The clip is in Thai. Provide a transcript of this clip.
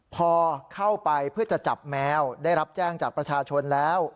พอเข้าไปเพื่อจะจับแมวได้รับแจ้งจากประชาชนแล้ว